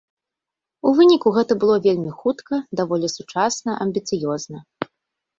У выніку гэта было вельмі хутка, даволі сучасна, амбіцыёзна.